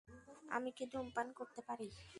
আমি কি ধূমপান করতে পারি?